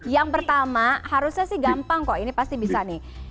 yang pertama harusnya sih gampang kok ini pasti bisa nih